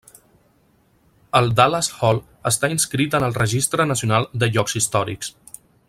El Dallas Hall està inscrit en el Registre Nacional de Llocs Històrics.